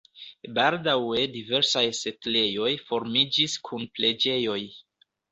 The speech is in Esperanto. Baldaŭe diversaj setlejoj formiĝis kun preĝejoj.